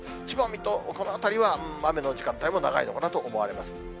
千葉、水戸、この辺りは雨の時間が長いのかなと思われます。